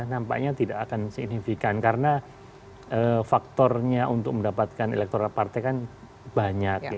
nampaknya tidak akan signifikan karena faktornya untuk mendapatkan elektoral partai kan banyak